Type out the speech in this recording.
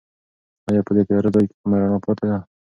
ایا په دې تیاره ځای کې کومه رڼا پاتې ده؟